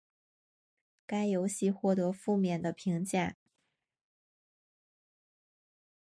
该游戏获得负面的评价。